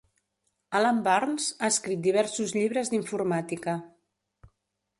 Alan Burns ha escrit diversos llibres d'informàtica.